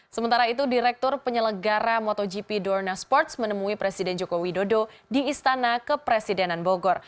sementara itu direktur penyelenggara motogp dorna sports menemui presiden joko widodo di istana kepresidenan bogor